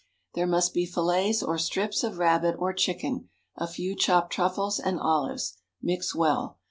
There must be fillets or strips of rabbit or chicken, a few chopped truffles and olives. Mix well.